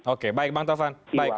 oke baik bang taufan